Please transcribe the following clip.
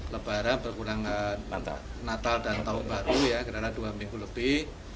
lebaran berkurangan natal dan tahun baru ya karena dua minggu lebih